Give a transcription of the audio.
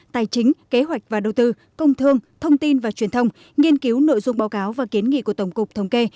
tài chính kế hoạch và đầu tư công thương thông tin và truyền thông nghiên cứu nội dung báo cáo và kiến nghị của tổng cục thống kê